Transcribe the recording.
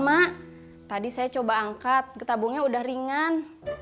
mak tadi saya coba angkat tabungnya udah ringan